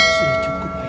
sudah cukup aida